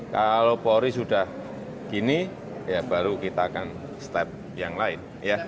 kalau polri sudah gini ya baru kita akan step yang lain